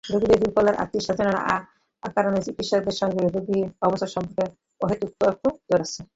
রোগীদের দূরপাল্লার আত্মীয়স্বজন অকারণে চিকিৎসকের সঙ্গে রোগীর অবস্থা সম্পর্কে অহেতুক তর্কে জড়াচ্ছেন।